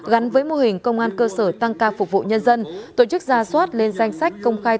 gắn với mô hình công an cơ sở tăng ca phục vụ nhân dân tổ chức ra soát lên danh sách công khai